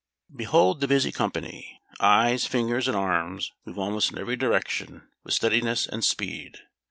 ] Behold the busy company. Eyes, fingers, and arms move almost in every direction with steadiness and speed.